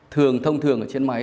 thường thông thường ở trên máy